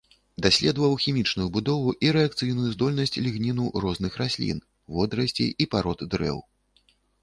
Даследаваў хімічную будову і рэакцыйную здольнасць лігніну розных раслін, водарасцей і парод дрэў.